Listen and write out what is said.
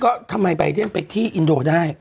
ก็ทำไมบายเดนไปที่อินโดได้